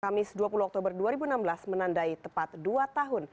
kamis dua puluh oktober dua ribu enam belas menandai tepat dua tahun